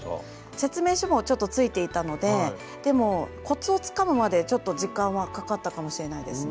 説明書もちょっと付いていたのででもコツをつかむまでちょっと時間はかかったかもしれないですね。